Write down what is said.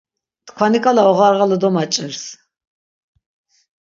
Tkvani ǩala oğarğalu domaç̌irs.